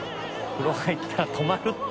風呂入ったら泊まるって。